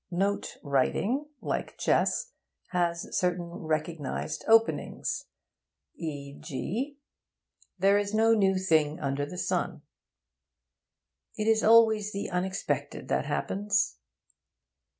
'Note' writing, like chess, has certain recognised openings, e.g.: There is no new thing under the sun. It is always the unexpected that happens.